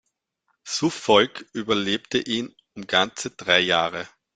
Suffolk überlebte ihn um ganze drei Jahre.